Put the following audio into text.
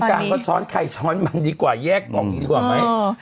ช้อนกลางก็ช้อนไข่ช้อนมันดีกว่าแยกบ่งดีกว่าไหม